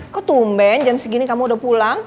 kok tumben jam segini kamu udah pulang